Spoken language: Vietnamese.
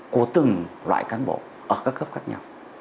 của từng loại cán bộ ở các cấp khác nhau